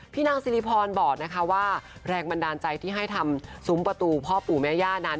นางสิริพรบอกนะคะว่าแรงบันดาลใจที่ให้ทำซุ้มประตูพ่อปู่แม่ย่านั้น